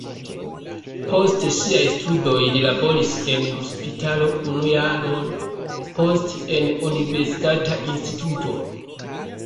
Post siaj studoj li laboris en hospitalo unu jaron, poste en universitata instituto.